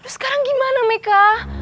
sekarang gimana meka